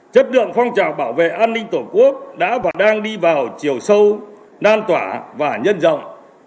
chất lượng phong trào bảo vệ an ninh tổ quốc đã và đang đi vào chiều sâu lan tỏa và nhân rộng